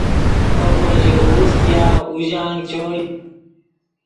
اوکو ژیغوز ګیاغ اوژانگ چوئے